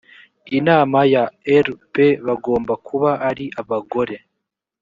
inama ya rp bagomba kuba ari abagore